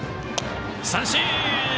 三振！